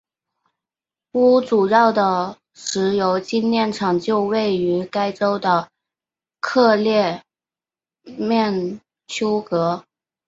乌主要的石油精炼厂就位于该州的克列缅丘格。